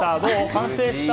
完成した？